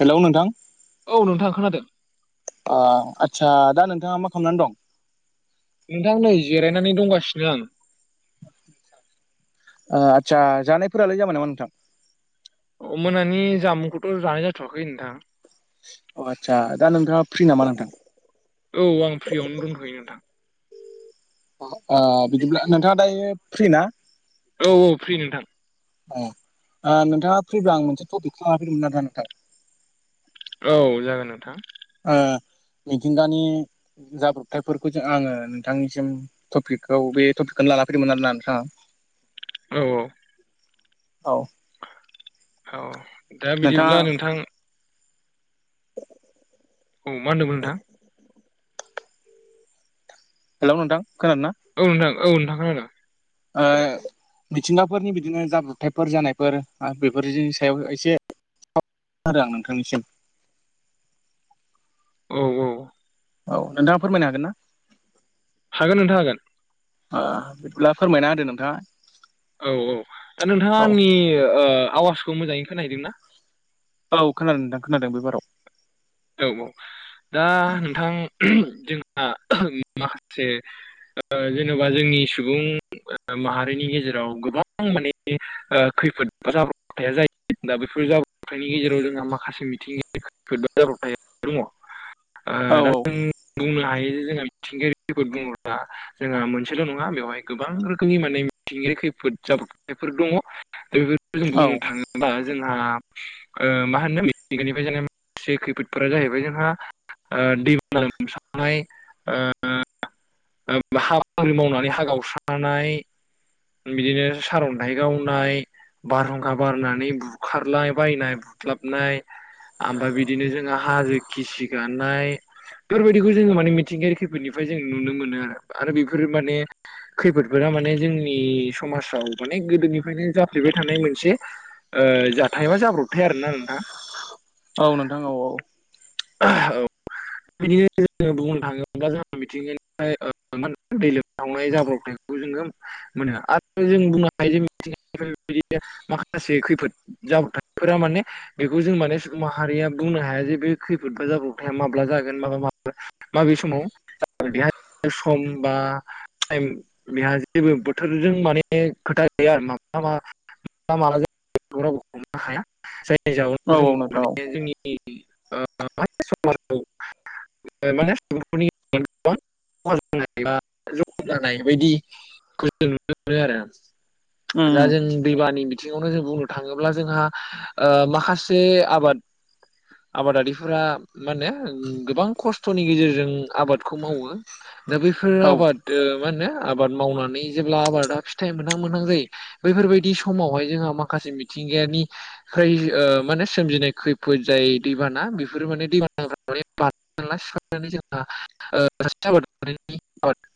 Hello नोंथां औ नोंथां खोनादों ओ आदसा दा नोंथाङा मा खालामनानै दं नोंथां नै जिरायनानै दंगासिनो आं आदसा जानायफोरालाय जाबाय नामा नोंथां अ मोनानि जामुंखौथ' जानाय जाथ'वाखै नोंथां अ आदसा दा नोंथाङा फ्रि नामा नोंथां औ आं फ्रियावनो दंथ'यो नोंथां अ बिदिब्ला नोंथाङा दायो फ्रि ना औ फ्रि नोंथां ओ नोंथाङा फ्रिब्ला आं मोनसे टपिकखौ लानानै फैदोंमोन आरो ना नोंथां औ जागोन नोंथां ओ मिथिंगानि जाब्रबथायफोरखौ जों आङो नोंथांनिसिम टपिकखौ बे टपिकखौ लानानै फैदोंमोन आरो ना नोंथां औ औ औ औ दा नोंथाङा बिदिब्ला नोंथां औ मा होनदोंमोन नोंथां हेलौ नोंथां खोनादों ना औ नोंथां औ नोंथां खोनादों ओ मिथिंगाफोरनि बिदिनो जाब्रबथायफोर जानायफोर आर बेफोरनि सायाव एसे [unintelligible] नोंथांनिसिम औ औ। औ नोंथाङा फोरमायनो हागोन ना? हागोन नोंथां हागोन। ओ बिदिब्ला फोरमायना होदो नोंथाङा। औ औ दा नोंथाङा औ आंनि ओ आवाजखौ मोजाङै खोनाहैदों ना? औ खोनादों नोंथां खोनादों बेबाराव। औ औ दा नोंथां। जोंहा माखासे ओ जेन'बा जोंनि सुबुं माहारिनि गेजेराव गोबां माने ओ खैफोद बा जाब्रबथाया जायो दा बेफोर जाब्रबथायनि गेजेराव जोंहा माखासे मिथिंगायारि [unintelligible] जाब्रथाय दङ ओ औ दा जों बुंनो हायो जे जोंहा मिथिंगायारि बुङोब्ला जोंहा मोनसेल' नङा बेवहाय गोबां रोखोमनि माने मिथिं गायारि खैफोद जाब्रबथायफोर दङ दा बेफोर जों बुंनो थाङोब्ला जोंहा ओ मा होनो मिथिंगानिफ्राय जेनेबा से खैफोदफोरा जाहैबाय जोंहा ओ दैबाना लोमसावनाय ओ हा बांग्रि मावनानै हा गावस्रानाय बिदिनो सारन्थाइ गावनाय बारहुंखा बारनानै बुखारलाय बायनाय हुस्लाबनाय ओमफ्राय बिदिनो जोंहा हाजो गिसि गानाय बेफोरबायदिखौ जोङो माने मिथिंगायारि खैफोदनिफ्राय जोङो आरो नुनो मोनो आरो आरो बेफोर माने खैफोदफोरा माने जोंनि नि समाजाव माने गोदोनिफ्रायनो जाफ्लेबाय थानाय मोनसे जाथाय बा जाब्रबथाया आरोना नोंथां। औ नोंथां औ औ। औ। बिदिनो जोङो बुंनो थाङोबा जोंहा मिथिंगानिफ्राय ओ मा होनो दै लोमसावनाय जाब्रबथाय जोङो मोनो आरो जों बुंनो हायो जे मिथिंगानिफ्राय बिदि माखासे खैफोद जाब्रबथायफोरा माने बेखौ जों माने सुबुं माहारिया बुंनो हाया जे बे खैफोदफ्रा जाब्रबथाया माब्ला जागोन माला मागोन माबे समाव सम बा टाइम बेहा जेबो बोथोरजों माने खोथा गैया आरोना। [unintelligible] [unintelligible] [unintelligible] [unintelligible] औ औ नोंथां औ उम दा जों दै बानिनि बिथिङावनो जों बुंनो थाङोब्ला जोंहा ओ माखासे आबाद आबादारिफोरा मा होनो गोबां खस्थ'नि गेजेरजों आबादखौ मावो। दा बेफोर उम औ आबाद मा होनो आबाद मावनानै जेब्ला आबादा फिथाइ मोनहां मोनहां जायो बैफोरबायदि समावहाय जोंहा माखासे मिथिं गानि खै ओ मा होनो सोमजिनाय खैफोद जाय दैबाना बेफोरो माने दैबाना [unintelligible] [unintelligible] [unintelligible] [unintelligible] [inaudible]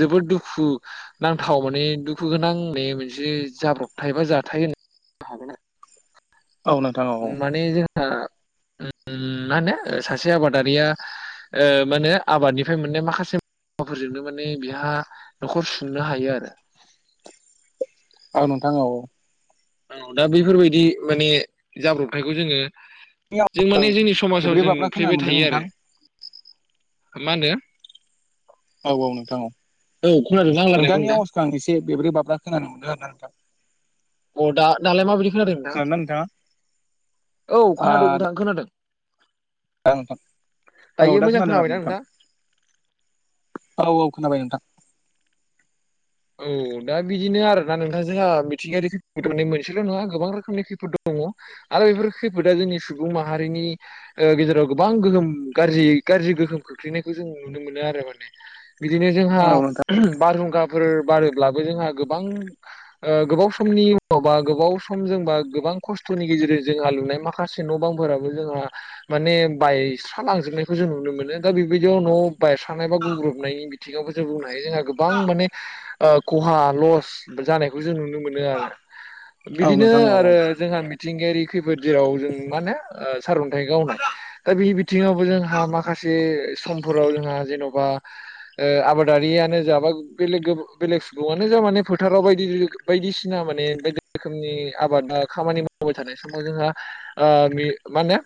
जोबोद दुखुनांथाव माने दुखुगोनां बे मोनसे जाब्रबथाय बा जाथाय होनना बुंनो हागोन आरो। औ नोंथां औ औ। दा उम मा होनो सासे आबादारिया मा होनो आबादनिफ्राय मोननाय माखासे [unintelligible] माने बेहा न'खर सुंनो हायो आरो। औ नोंथां औ। औ दा बेैफोरबायदि माने जाब्रबथायखौ जोङो जों औ माने जोंनि समाजाव बेब्रै जों बाब्रा खोनानो नुफ्लेबाय मोनदों थायो आरो। नोंथां मा होनदो? औ औ नोंथां औ खोनादोंना आं रायलायनायखौ नोंथांनि नोंथां आवाजखौ आं एसे बेब्रै बाब्रा खोनानो मोनदों आरोना नोंथां। आं दा दालाय माबायदि खोनादों नोंथां? खोनादोंना नोंथाङा औ खोनादों नोंथां खोनादों। औ नोंथां औ दायो दा मोजां खोनादों आरो खोनाबायना नोंथां। औ औ खोनाबाय नोंथां। औ दा बिदिनो आरो ना नोंथां जोंहा मिथिंगायारि खैफोदा मोनसेल' नङा गोबां रोखोमनि खैफद दङ। आरो बेफोर खैफोदा जोंनि सुबुं माहारिनि ओ गेजेराव गोबां गोहोम गाज्रि गाज्रि गोहोम खोख्लैनायखौ जों नुनो मोनो आरो माने बिदिनो जोंहा औ नोंथां बारहुं फोर बारोब्लाबो जोंहा गोबां ओ गोबाव समनि उनावा गोबाव समजों बा गोबां गोबां खस्थ'नि गेजेरजों जोंहा लुनाय माखासे न' बांफोराबो जोंहा माने बायस्रा लांजोबनाय खौ जों नुनो मोनो दा बेबायदियाव न' बायस्रानाय बा गुबुग्रबनाय बिथिङावबो जों बुंनो हायो जोंहा गोबां माने खहा लस जानायखौ जों नुनो मोनो आरो। औ बिदिनो नोंथां औ आरो जोंहा मिथिंगायारि खैफोद जेराव जों मा होनो ओ सारन्थाइ गावनाय दा बे बिथिङावबो जोंहा माखासे जे समफोराव जोंहा जेन'बा ओ आबादारियानो जा बा बेलेग बेलेग सुबुङानो जा माने फोथाराव बायदि बायदिसिना माने बायदि रोखोमनि आबाद खामानि मावबाय थानाय समाव जोंहा ओ बे मा होनो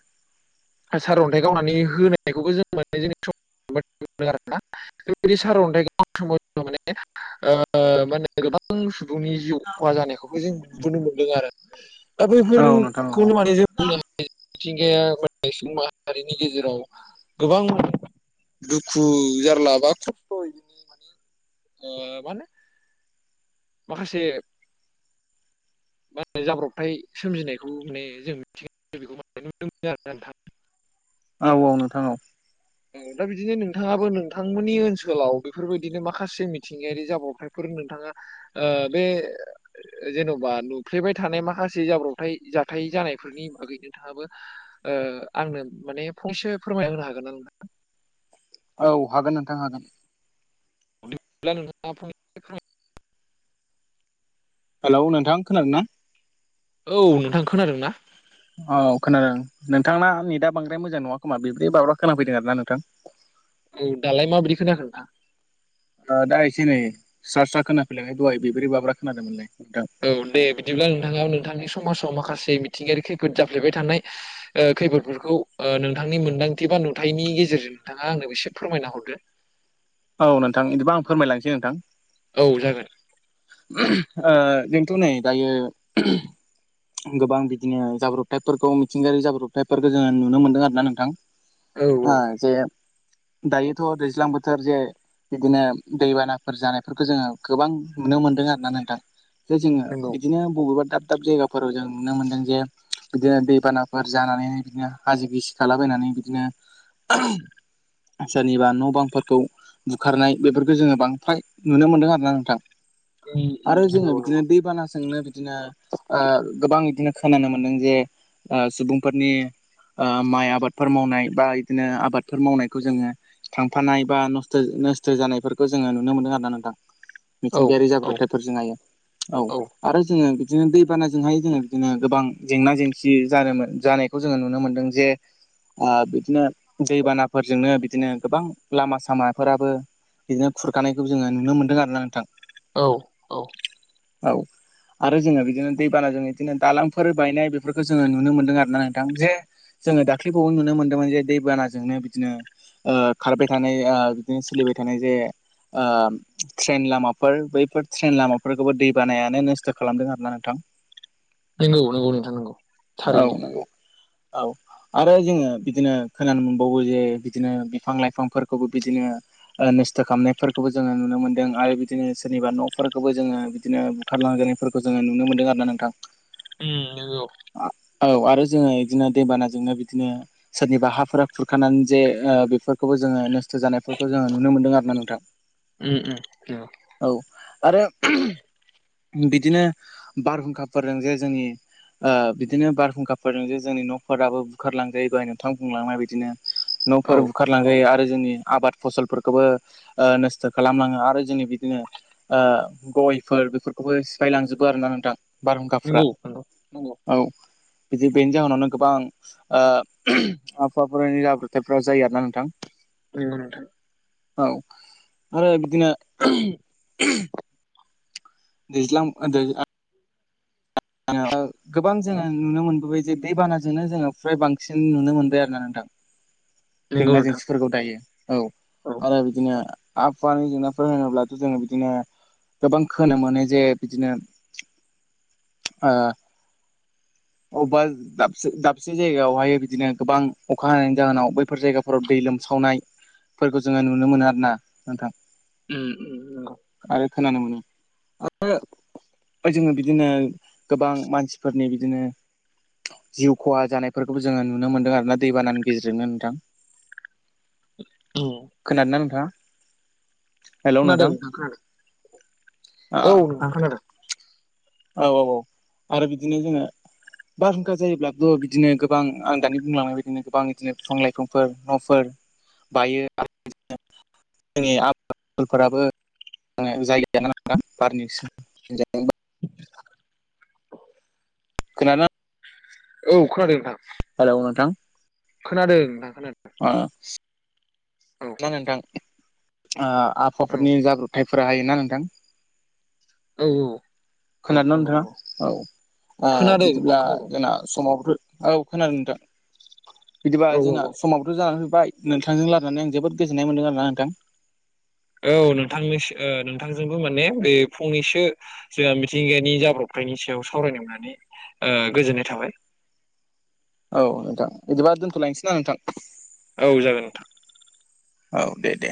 सारअन्थाइ गावनानै होनायखौबो जों [unintelligible] [unintelligible] सार अन्थाय [unintelligible] सुबुंनि जिउ खहा जानायखौबो जों नुबोननो मोनदों आरो [inaudible] दा औ नोंथां औ बेफोरखौ नो माने जों बुंनो मिथिंगाया माने सुबुं माहारिनि गेजेराव गोबां दुखु जारलाबा खस्थ'यै बिदिनो माने मा होनो। माखासे मा होने जाब्रबथाय सोमजिनायखौ माने जों [unintelligible] औ औ नोंथां औ औ दा बिदिनो नोंथाङाबो नोंथांमोननि ओनसोलाव बेफोरबायदिनो माखासे मिथिंगायारि जाब्रबथायफोर नोंथाङा ओ, बे जेन'बा नुफ्लेबाय थानाय माखासे जाब्रबथाय जा थाय जानायफोरनि बागै नोंथाङाबो ओ आंनो माने फंसे फोरमायना होनो हागोन नोंथां? [inaudible] औ हागोन नोंथां हागोन। [unintelligible] हेलौ नोंथां खोनादों ना? औ नोंथां खोनादों ना? औ खोनादों। नोंथांना नेटआ बांद्राय मोजां नङा खोमा बेब्रे बाब्रा खोनाफैदों आरोना नोंथां औ दालाय माबायदि खोनाखो नोंथां? ओ, दा एसे नै स्रा स्रा खोनाफैलायबाय दहाय बेब्रे बाब्रा खोनादोंमोनलाय। नोंथां। औ दे बिदिब्ला नोंथाङा नोंथांनि समाजाव माखासे मिथिंगायारि खैफोद जाफ्लेबाय थानाय ओ खैफोदफोरखौ नोंथांनि मोनदांथि बा नुथाइनि गेजेरजों नोंथाङा आंनो बेसे फोरमायना हरदो। औ नोंथां बिदिबा आं फोरमायलांसै नोंथां औ जागोन। ओ जोंथ' नै दायो [unintelligible] गोबां बिदिनो जाब्रबथायफोरखौ मिथिंगायारि जाब्रबथायफोरखौ जोङो नुनो मोन्दों आरो ना नोंथां औ आ जे दायोथ' दैज्लां बोथोर जे बिदिनो दैबानाफोर जानायफोरखौ जोङो गोबां नुनो मोन्दों आरो ना नोंथां, जे जोङो नंगौ बिदिनो बबेबा दाब दाब जायगाफोराव जों नुनो मोनदों जे बिदिनो दैबानाफोर जानानैहाय बिदिनो हाजो गिसि खालाबायनानै बिदिनो सोरनिबा न' बांफोरखौ बुखारनाय बेफोरखौ जोङो बांद्राय नुनो मोन्दों आरो ना नोंथां। नंगौ आरो जोङो नंगौ बिदिनो दैबाना सोंनो बि बिदिनो गोबां बिदिनो खोनानो मोनदों जे ओ, सुबुंफोरनि ओ, माइ आबादफोर मावनाय बा बिदिनो आबादफोर मावनायखौ जोङो थांफानाय बा नस्थ' नोस्थो जानायफोरखौ जोङो नुनो मोनदों आरो ना नोंथां। औ मिथिंगायारि औ जाब्रबथायफोरजोंहाय। औ आरो जोङो बिदिनो दैबानाजोंहाय जोङो बिदिनो गोबां जेंना जेंसि जानो, जानायखौ जोङो नुनो मोनदों जे ओ, बिदिनो दैबानाफोरजोंनो बिदिनो गोबां लामा सामाफोराबो बिदिनो खुरखानायखौ जोङो नुनो मोनदों आरो ना नोंथां। औ औ औ आरो जोङो बिदिनो दैबानाजों बिदिनो दालांफोर बायनाय बेफोरखौ जोङो नुनो मोन्दों आरोना नोंथां। जे जोङो दाख्लैबो नुनो मोन्दोंमोन जे दैबानाजोंनो बिदिनो। खारबाय थानाय बिदिनो सोलिबाय थानाय जे ओ, ट्रेन लामा। फोर बैफोर ट्रेन लामाफोरखौबो दै बानायानो नोस्थो' खालामदों आरोना नोंथां। नंगौ नंगौ नोंथां नंगौ औ थारैनो। नंगौ औ आरो जोङो बिदिनो खोनानो मोनबावो जे बिदिनो बिफां लाइफांफोरखौबो बिदिनो। नोस्थो' खालामनायफोरखौबो जोङो नुनो मोनदों आरो बिदि बिदिनो सोरनिबा न'फोरखौबो जोङो बिदिनो बुखारलांजानायफोरखौ जोङो नुनो मोनदों आरो ना नोंथां। ओम नंगौ। औ आरो जोङो बिदिनो दैबानाजोंनो बिदिनो सोरनिबा हाफोरा खुरखानानै जे ओ, बेफोरखौबो जोङो नो स्थो जानायफोरखौ जोङो नुनो मोनदों आरो ना नोंथां। उम उम नंगौ औ आरो बिदिनो बारहुंखाफोरजों जे जोंनि ओ, बिदिनो बारहुंखाफोरजों जे जोंनि न'फोराबो बुखारलांजायो दहाय नोंथां बुंलांनाय बिदिनो औ न'फोर बुखारलांजायो आरो जोंनि आबाद फसलफोरखौबो नोस्थो' खालामलाङो आरो जोंनि बि बिदिनो ओ गयफोर बेफोरखौबो सिफायलांजोबो आरोना नोंथां। बारहुंखााफ्रा नंगौ नंगौ नंगौ औ। बिदि बेनि जाहोनावनो गोबां आबहावाफोरनि जाब्रथायफोरा जायो आरोना नोंथां। नोंगौ नोंथां। औ आरो बिदिनो दैज्ला [unintelligible] गोबां जोङो नुनो मोनबोबाय जे दैबानाजोंनो जोङो फ्राय बांसिन नुनो मोनबाय आरोना नोंथां। नंगौ जेंना नोंथां जेंसिफोरखौ दायो औ औ आरो बिदिनो - आबहावानि जेंनाफोर होनोब्लाथ' जोङो बिदिनो गोबां खोनानो मोनो जे बिदिनो [unintelligible] अबेबा दाबसे दाबसे जायगायावहाय बिदिनो गोबां अखा हानायनि जाहोनाव बैफोर जायगाफोराव दै लोमसावनायफोरखौ जोङो नुनो मोनो आरो ना नोंथां। उम उम आरो खोनानो मोनो आरो ओ जोङो बिदिनो गोबां मानसिफोरनि बिदिनो जिउ खहा जानायफोरखौबो जोङो नुनो मोनदों आरोना दैबानानि गेजेरजोंनो नोंथां। उम खोनादों ना नोंथां? खोनादों नोंथां खोनादों। औ नोंथां खोनादों। औ औ औ आरो बिदिनो जोङो बारहुंखा जायोब्लाथ' बिदिनो गोबां आं दानि बुंलांनाय बिदिनो गोबां बिदिनो बिफां लाइफांफोर न'फोर बायो जोंनि आबावाफोराबो जायगा जानो ना बारनि खोना औ खोनादों नोंथां हेल'नोंथां खोनादों नोंथां ओ खोनादों ना नोंथां ओ औ आहावाफोरनि जाब्रबथायफोरा हायोना नोंथां औ औ औ औ खोनादोंना नंगौ नंगौ नोंथाङा औ ओ खोनादों नोंथां बिदिब्ला खोनादों जोंना समाबो औ खोनादों नोंथां बिदिबा औ जोंना समाबोथ' जानानै फैबाय बाय नोंथांजों रायलानानै आं जोबोद गोजोननाय मोन्दों आरोना नोंथां औ नोंथांनि नोंथांजोंबो माने बे फंनैसो जोंहा मिथिंगायानि जाब्रथाय बेनि सायाव सावरायनो होनानै ओ गोजोननाय थाबाय औ नोंथां बिदिबा दोनथ'लायनोसै ना नोंथां औ जागोन नोंथां औ दे दे